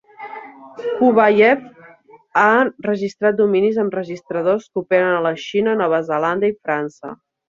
Kuvayev ha registrat dominis amb registradors que operen a la Xina, Nova Zelanda i França.